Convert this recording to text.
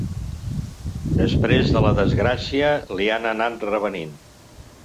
Després de la desgràcia li han anat revenint.